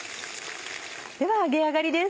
では揚げ上がりです。